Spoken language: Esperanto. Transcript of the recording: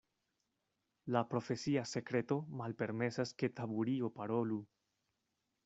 La profesia sekreto malpermesas, ke Taburio parolu.